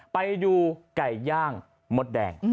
ไปดูไก่ย่างมดแดง